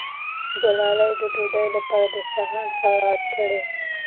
ګلالۍ د ډوډۍ لپاره دسترخوان هوار کړ.